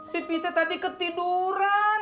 pipi tadi ketiduran